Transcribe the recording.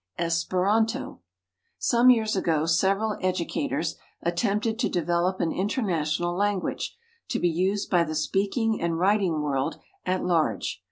=Esperanto.= Some years ago several educators attempted to develop an international language, to be used by the speaking and writing world at large.